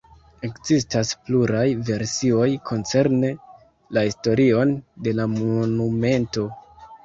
Ekzistas pluraj versioj koncerne la historion de la monumento.